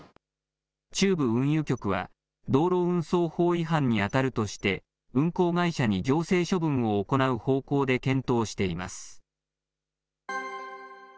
中部運輸局は、道路運送法違反に当たるとして、運行会社に行政処分を行う方向で検討しています。